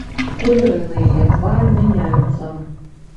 Колеры на яе твары мяняюцца.